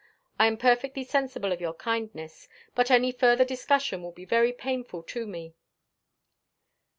I am perfectly sensible of your kindness, but any further discussion will be very painful to me."